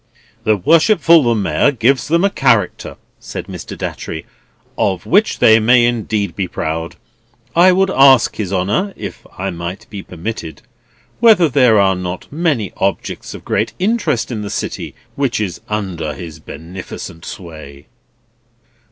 "The Worshipful the Mayor gives them a character," said Mr. Datchery, "of which they may indeed be proud. I would ask His Honour (if I might be permitted) whether there are not many objects of great interest in the city which is under his beneficent sway?"